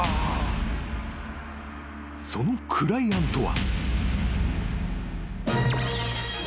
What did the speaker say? ［そのクライアントは］